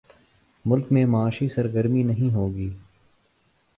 ملک میں معاشی سرگرمی نہیں ہو گی۔